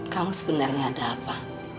kamu sebenarnya ada apa